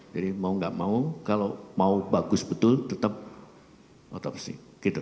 jadi mau gak mau kalau mau bagus betul tetap autopsy